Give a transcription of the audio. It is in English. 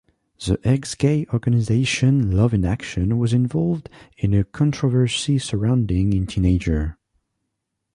The ex-gay organization Love in Action was involved in a controversy surrounding a teenager.